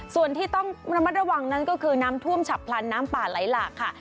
ส่วนที่ต้องระมัดระวังนั้นก็คือน้ำท่วมฉับพลันน้ำป่าไหลหลากค่ะ